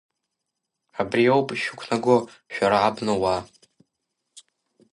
Абриоуп ишәықәнаго шәара абнауаа…